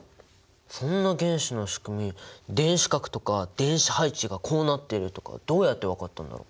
そんな原子のしくみ電子殻とか電子配置がこうなっているとかどうやって分かったんだろう？